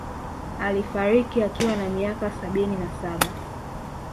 Alifariki akiwa na miaka sabini na saba